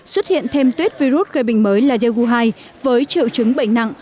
xuất hiện thêm tuyết virus gây bệnh mới là daegu hai với triệu chứng bệnh nặng